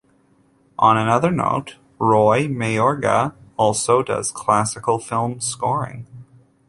On another note Roy Mayorga also does classical film scoring.